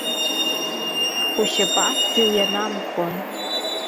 Ушьап адгьыл ианамкуа.